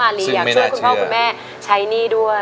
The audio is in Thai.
อยากช่วยคุณพ่อคุณแม่ใช้หนี้ด้วยนะฮะคุณพ่อคุณแม่ใช้หนี้ด้วย